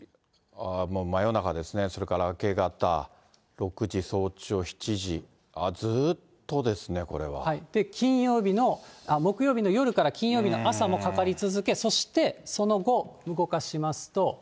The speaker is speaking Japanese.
もう真夜中ですね、それから明け方、６時早朝、７時、で、金曜日の、木曜日の夜から金曜日の朝もかかり続け、そしてその後、動かしますと。